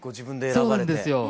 そうなんですよ。